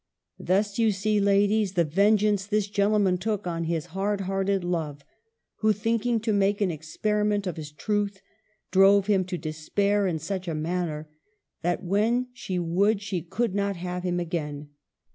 Thus you see, ladies, the vengeance this gentle man took on his hard hearted love, who, thinking to make an experiment of his truth, drove him to despair in such a manner that when she would she could not have him again."